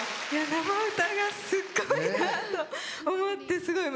生歌がすっごいなと思ってすごい